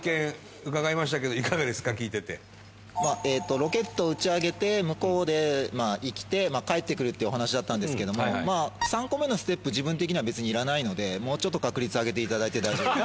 ロケットを打ち上げて向こうで生きて帰ってくるっていうお話だったんですけども３個目のステップ自分的には別にいらないのでもうちょっと確率上げて頂いて大丈夫です。